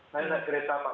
naik naik kereta apa